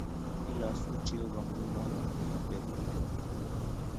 Kilosu Jehovah nguno amun en berurto